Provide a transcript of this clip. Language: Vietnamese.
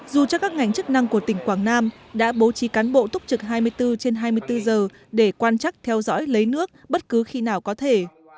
dù cho các ngành chức năng của tỉnh quảng nam đã bố trí cán bộ túc trực hai mươi bốn trên hai mươi bốn giờ để quan chắc theo dõi lấy nước bất cứ khi nào có thể